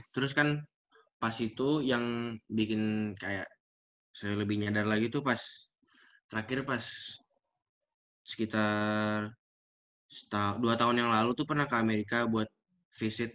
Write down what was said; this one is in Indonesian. terus kan pas itu yang bikin kayak saya lebih nyadar lagi tuh pas terakhir pas sekitar dua tahun yang lalu tuh pernah ke amerika buat visit